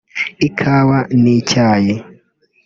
ikawa n’icyayi